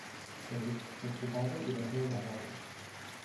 Rich se při pádu udeřil do hlavy.